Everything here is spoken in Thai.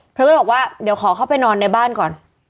เธอก็เลยบอกว่าเดี๋ยวขอเข้าไปนอนในบ้านก่อน